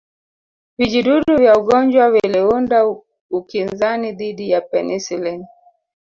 Vijidudu vya ugonjwa viliunda ukinzani dhidi ya penicillin